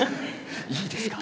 いいですか？